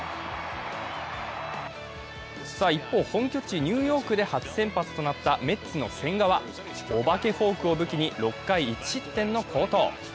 一方、本拠地ニューヨークで初先発となったメッツの千賀はお化けフォークを武器に６回１失点の好投。